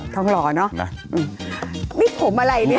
หล่อเนอะนี่ผมอะไรเนี่ย